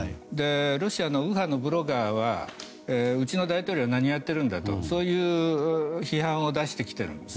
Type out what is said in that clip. ロシアの右派のブロガーはうちの大統領は何やっているんだと批判を出してきています。